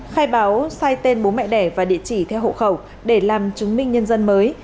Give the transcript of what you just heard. khai báo sai tên bố mẹ đẻ và địa chỉ theo hộ khẩu để làm chứng minh nhân dân mới